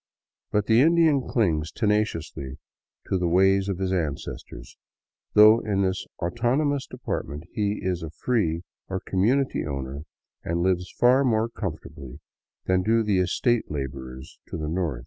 But the Indian clings tenaciously to the ways of his ancestors, though in this autonomous department he is a free or community owner and lives far more comfortably than do the estate laborers to the north.